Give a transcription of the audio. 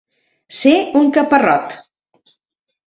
Ser un caparrot.